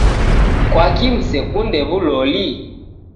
Kwaki msekunde w'uloli?